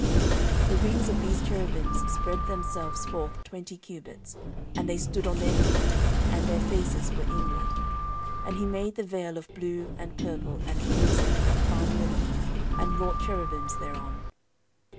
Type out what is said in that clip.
14:003:013 The wings of these cherubims spread themselves forth twenty cubits: and they stood on their feet, and their faces were inward. 14:003:014 And he made the vail of blue, and purple, and crimson, and fine linen, and wrought cherubims thereon.